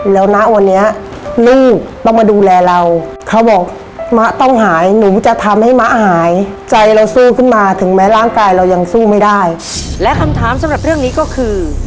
แล้วคำถามสำหรับเรื่องนี้ก็คือ